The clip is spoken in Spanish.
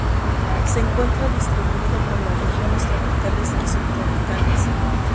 Se encuentra distribuido por las regiones tropicales y subtropicales.